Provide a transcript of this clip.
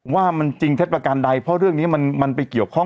ว่ามันจริงเท็จประการใดเพราะเรื่องนี้มันไปเกี่ยวข้อง